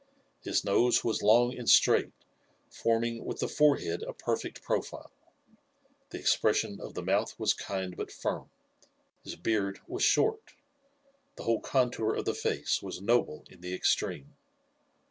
His nose was long and straight, forming, with the forehead, a perfect profile. The expression of the mouth was kind but firm. His beard was short. The whole contour of the face was noble in the extreme.